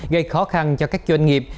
gây khó khăn cho các doanh nghiệp